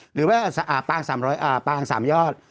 หรือว่าปลาอังสามยอด